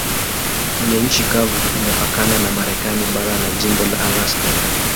Kwenye nchi kavu imepakana na Marekani bara na jimbo la Alaska.